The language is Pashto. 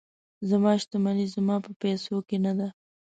زما شتمني زما په پیسو کې نه ده.